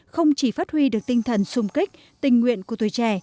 không chỉ phát huy được tinh thần sung kích tình nguyện của tuổi trẻ